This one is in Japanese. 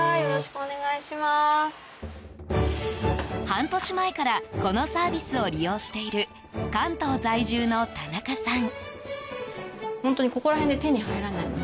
半年前からこのサービスを利用している関東在住の田中さん。